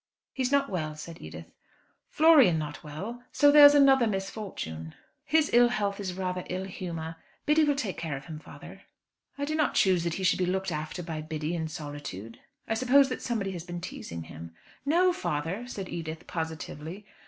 "He's not well," said Edith. "Florian not well! So there's another misfortune." "His ill health is rather ill humour. Biddy will take care of him, father." "I do not choose that he should be looked after by Biddy in solitude. I suppose that somebody has been teasing him." "No, father," said Edith, positively.